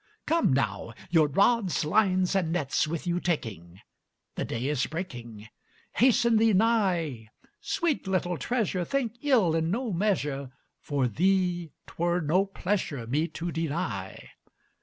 Come now, your rods, lines, and nets with you taking! The day is breaking; Hasten thee nigh! Sweet little treasure, Think ill in no measure; For thee 'twere no pleasure Me to deny.